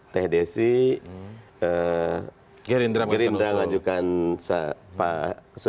tdc gerindra ngajukan usul